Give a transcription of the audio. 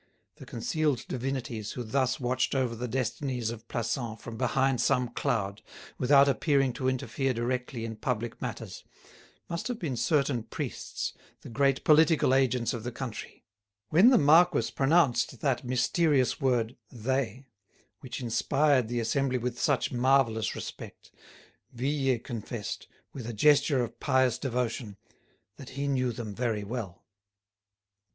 The concealed divinities who thus watched over the destinies of Plassans from behind some cloud, without appearing to interfere directly in public matters, must have been certain priests, the great political agents of the country. When the marquis pronounced that mysterious word "they," which inspired the assembly with such marvellous respect, Vuillet confessed, with a gesture of pious devotion, that he knew them very well.